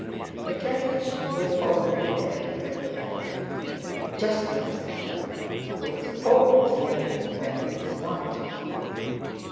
The carriage was already there when they arrived. Just like that fellow, who was always late when he was wanted!